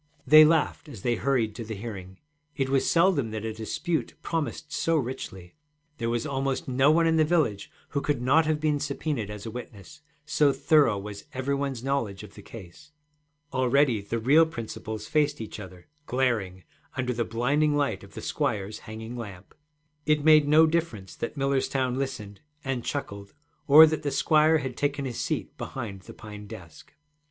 They laughed as they hurried to the hearing: it was seldom that a dispute promised so richly. There was almost no one in the village who could not have been subpœnaed as a witness, so thorough was every one's knowledge of the case. Already the real principals faced each other, glaring, under the blinding light of the squire's hanging lamp. It made no difference that Millerstown listened and chuckled or that the squire had taken his seat behind the pine desk.